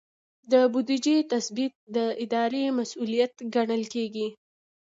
د بودیجې تثبیت د ادارې مسؤلیت ګڼل کیږي.